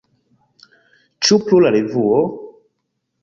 Ĉu pro la revuo?